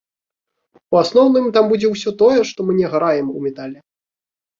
У асноўным, там будзе ўсё тое, што мы не граем у метале.